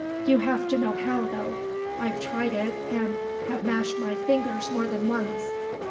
You have to know how, though; I've tried it and have mashed my fingers more than once.